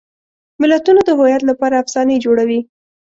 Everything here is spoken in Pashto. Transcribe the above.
ملتونه د هویت لپاره افسانې جوړوي.